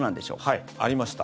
はい、ありました。